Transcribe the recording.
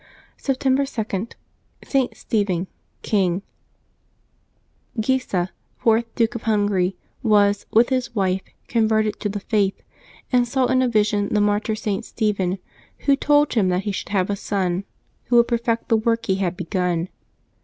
September 2.— ST. STEPHEN, King. eEYSA, fourth Duke of Hungary, was, with his wife, converted to the Faith, and saw in a vision the mar tyr St. Stephen, who told him that he should have a son who would perfect the work he had begun.